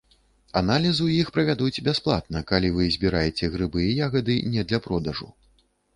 Аналіз у іх правядуць бясплатна, калі вы збіраеце грыбы і ягады не для продажу.